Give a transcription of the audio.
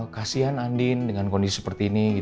kasian andin dengan kondisi seperti ini